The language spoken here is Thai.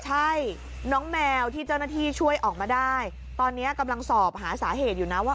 ใช่น้องแมวที่เจ้าหน้าที่ช่วยออกมาได้ตอนนี้กำลังสอบหาสาเหตุอยู่นะว่า